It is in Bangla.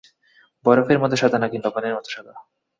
বরফের মতো সাদা, নাকি লবণের মতো সাদা?